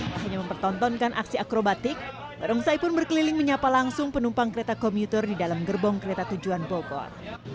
tak hanya mempertontonkan aksi akrobatik barongsai pun berkeliling menyapa langsung penumpang kereta komuter di dalam gerbong kereta tujuan bogor